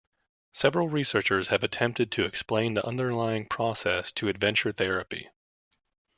Several researchers have attempted to explain the underlying process to adventure therapy.